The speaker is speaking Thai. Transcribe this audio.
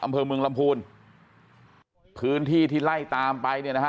อำเภอเมืองลำพูนพื้นที่ที่ไล่ตามไปเนี่ยนะฮะ